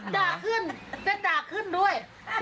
ด่าขึ้นด้วย